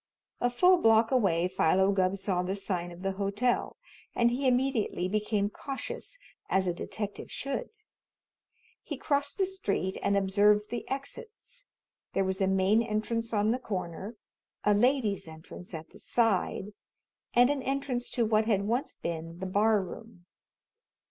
A full block away Philo Gubb saw the sign of the hotel, and he immediately became cautious, as a detective should. He crossed the street and observed the exits. There was a main entrance on the corner, a "Ladies' Entrance" at the side, and an entrance to what had once been the bar room.